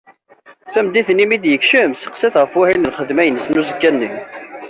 Tameddit, mi d-yekcem testeqsa-t ɣef wahil n lxedma-ines n uzekka-nni.